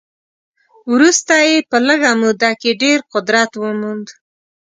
وروسته یې په لږه موده کې ډېر قدرت وموند.